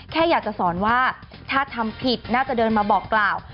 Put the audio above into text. แค่อยากจะสอนว่าถ้าทำผิดน่าจะเดินมาบอกกล่าว